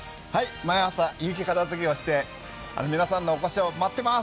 毎朝、雪片付けをして皆さんのお越しを待ってます！